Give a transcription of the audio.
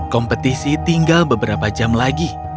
kompetisi tinggal beberapa jam lagi